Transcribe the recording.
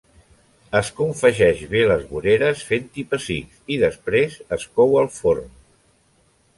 Es confegeix bé les voreres fent-hi pessics, i després es cou al forn.